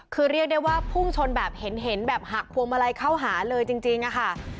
คือเรียกได้ว่าพุ่งชนแบบเห็นแบบหักพวงมาลัยเข้าหาเลยจริงอะค่ะ